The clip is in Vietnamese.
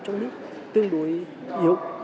trong nước tương đối yếu